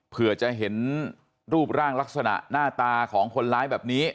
เผื่อจะเห็นรูปร่างลักษณะหน้าตาของคนร้ายแบบนี้